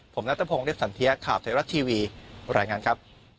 ผมนัติภงเลี่ยวสันเทียร์ข่าวเศรษฐ์และทีวีหลายงานครับ